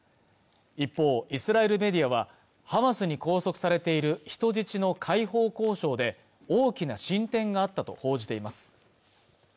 一方イスラエルメディアはハマスに拘束されている人質の解放交渉で大きな進展があったと報じています